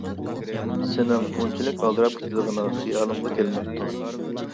سېنىڭ ئۇنچىلىك ئالدىراپ كېتىدىغىنىڭ خىيالىمغا كەلمەپتۇ.